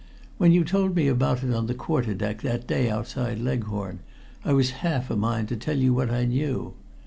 "When you told me about it on the quarter deck that day outside Leghorn, I was half a mind to tell you what I knew.